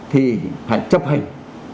thì phải chấp hình